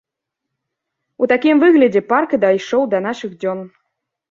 У такім выглядзе парк і дайшоў да нашых дзён.